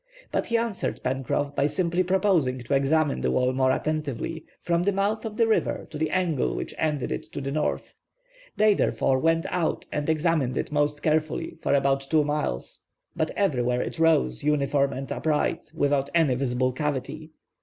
But he answered Pencroff, by simply proposing to examine the wall more attentively, from the mouth of the river to the angle which ended it to the north. They therefore went out and examined it most carefully for about two miles. But everywhere it rose, uniform and upright, without any visible cavity.